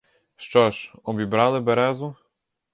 Що ж, обібрали березу?